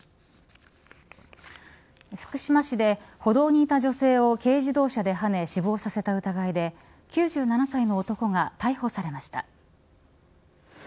福島市で歩道にいた女性を軽自動車ではね死亡させた疑いで９７歳の男が逮捕されました。